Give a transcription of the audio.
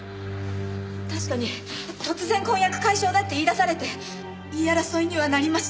確かに突然婚約解消だって言い出されて言い争いにはなりました。